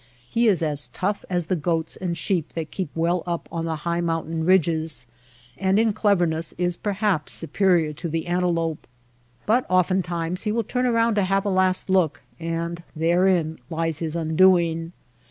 He is as tough as the goats and sheep that keep well up on the high mountain ridges ; and in cleverness is per haps superior to the antelope. But oftentimes he will turn around to have a last look, and therein lies his undoing.